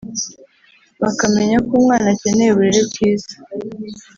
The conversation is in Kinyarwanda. bakamenya ko umwana akeneye uburere bwiza